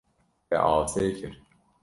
Te asê kir.